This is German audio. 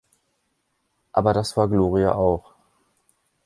Aber das war Gloria auch.